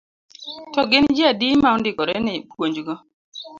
To gin ji adi ma ondikore ne puonjgo.